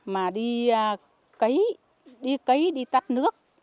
mà đi cấy đi cấy đi tắt nước